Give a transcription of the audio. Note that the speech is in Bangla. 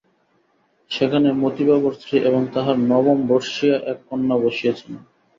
সেখানে মতিবাবুর স্ত্রী এবং তাঁহার নবমবর্ষীয়া এক কন্যা বসিয়া ছিলেন।